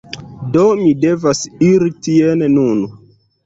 Do mi devas iri tien nun.